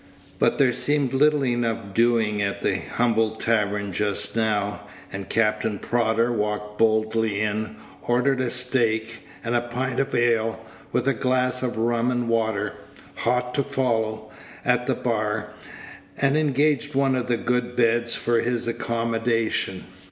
But there seemed little enough doing at the humble tavern just now, and Captain Prodder walked boldly in, ordered a steak and a pint of ale, with a glass of rum and water, hot, to follow, at the bar, and engaged one of the good beds for his accommodation.